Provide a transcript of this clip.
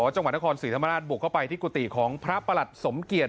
จังหวัดนครศรีธรรมราชบุกเข้าไปที่กุฏิของพระประหลัดสมเกียจ